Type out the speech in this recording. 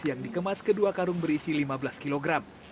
yang dikemas kedua karung berisi lima belas kilogram